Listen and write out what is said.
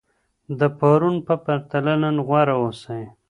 د پرون په پرتله نن غوره اوسئ.